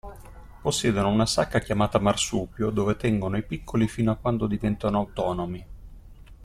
Possiedono una sacca chiamata Marsupio dove tengono i piccoli fino a quando diventano autonomi.